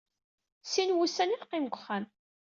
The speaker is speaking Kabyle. Sin wussan i teqqim deg uxxam.